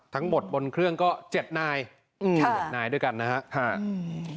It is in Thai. ทั้งหมดบนเครื่องก็๗นายด้วยกันนะครับ